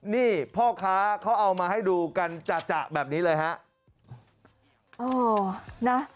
นี่พ่อค้าเขาเอามาให้ดูกันจ่ะแบบนี้เลยฮะ